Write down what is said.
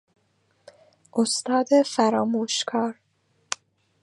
استاد فراموشکار